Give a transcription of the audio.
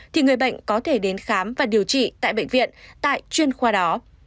thì người bệnh có thể đến khám và điều trị tại bệnh viện tại chuyên khoa đó